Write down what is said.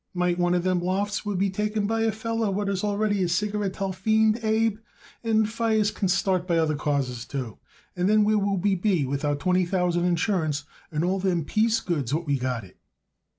Might one of them lofts would be taken by a feller what is already a cigarettel fiend, Abe. And fires can start by other causes, too; and then where would we be with our twenty thousand insurance and all them piece goods what we got it?"